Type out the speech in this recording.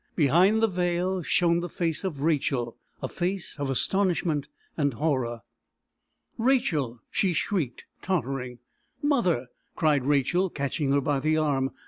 Behind the veil shone the face of Rachel a face of astonishment and horror. "Rachel!" she shrieked, tottering. "Mother!" cried Rachel, catching her by the arm.